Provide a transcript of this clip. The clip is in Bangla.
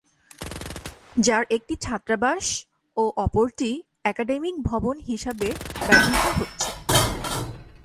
যার একটি ছাত্রাবাস ও অপরটি একাডেমিক ভবন হিসাবে ব্যবহৃত হচ্ছে।